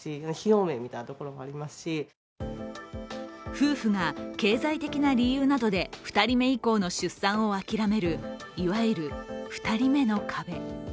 夫婦が経済的な理由などで２人目以降の出産を諦めるいわゆる２人目の壁。